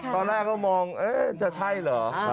ตอนแรกก็มองจะใช่เหรอ